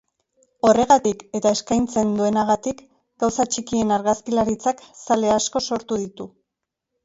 Horregatik, eta eskaintzen duenagatik, gauza txikien argazkilaritzak zale asko sortu ditu.